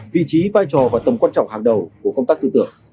vị trí vai trò và tầm quan trọng hàng đầu của công tác tư tưởng